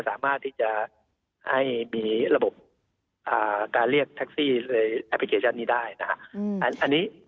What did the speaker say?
สามารถที่จะให้มีระบบการเรียกแท็กซี่ในแอปพลิเคชันนี้ได้นะครับ